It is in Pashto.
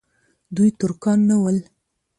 دوی ترکان نه ول.